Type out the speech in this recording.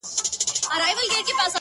o د پيغورونو په مالت کي بې ريا ياري ده،